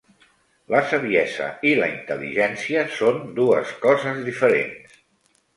La saviesa i la intel·ligència són dues coses diferents.